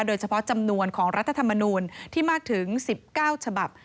โดยเฉพาะจำนวนของรัฐธรรมนูลที่มากถึง๑๙ฉบับ